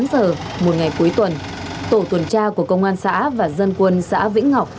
một mươi tám h một ngày cuối tuần tổ tuần tra của công an xã và dân quân xã vĩnh ngọc